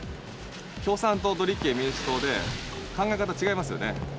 共産党と立憲民主党で考え方違いますよね。